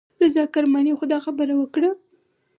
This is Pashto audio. رضا کرماني خو دا خبره وکړه.